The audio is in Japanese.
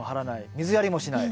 水やりもしない。